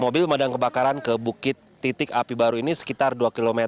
mobil pemadam kebakaran ke bukit titik api baru ini sekitar dua km